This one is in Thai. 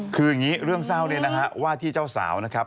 คืออย่างนี้เรื่องเศร้าว่าที่เจ้าสาวนะครับ